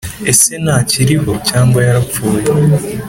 ese ntakiriho cyangwa yarapfuye